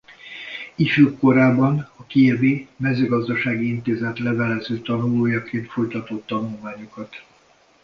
Ifjúkorában a Kijevi Mezőgazdasági Intézet levelező tanulójaként folytatott tanulmányokat.